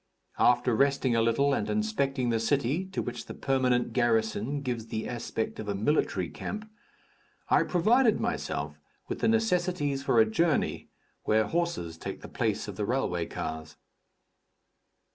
After resting a little and inspecting the city, to which the permanent garrison gives the aspect of a military camp, I provided myself with the necessaries for a journey, where horses take the place of the railway cars.